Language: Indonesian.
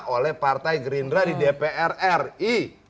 oleh partai gerindra di dpr ri